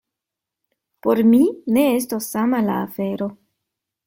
Por mi ne estos sama la afero.